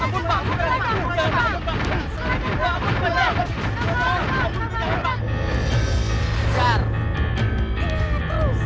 ambil pak ambil pak